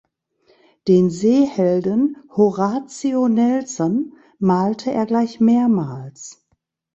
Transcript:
Den Seehelden Horatio Nelson malte er gleich mehrmals.